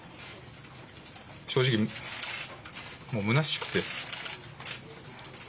正直もうむなしくて。